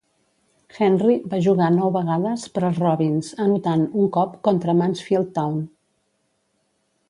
Henry va jugar nou vegades per als Robins anotant un cop contra Mansfield Town.